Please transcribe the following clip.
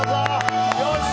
よし！